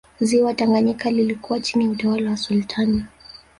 Ziwa tanganyika lilikuwa chini ya utawala wa sultani